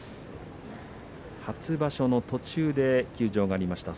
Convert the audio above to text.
初場所の途中で休場がありました。